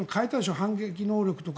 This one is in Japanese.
反撃能力とか。